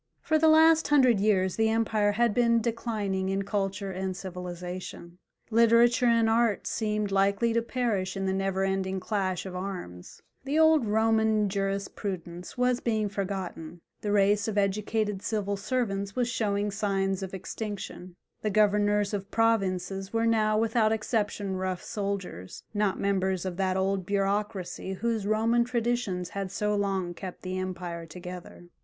For the last hundred years the empire had been declining in culture and civilization; literature and art seemed likely to perish in the never ending clash of arms: the old Roman jurisprudence was being forgotten, the race of educated civil servants was showing signs of extinction, the governors of provinces were now without exception rough soldiers, not members of that old bureaucracy whose Roman traditions had so long kept the empire together.